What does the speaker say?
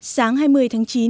sáng hai mươi tháng chín